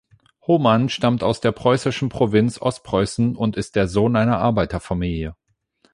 Hohmann stammt aus der preußischen Provinz Ostpreußen und ist der Sohn einer Arbeiterfamilie.